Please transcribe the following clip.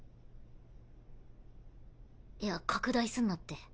いや拡大すんなって。